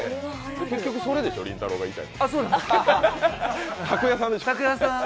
結局、それでしょ、りんたろーが言いたいのは。